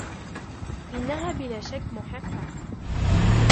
إنها بلا شك محقة.